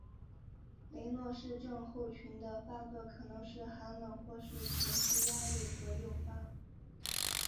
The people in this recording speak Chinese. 雷诺氏症候群的发作可能被寒冷或是情绪压力所诱发。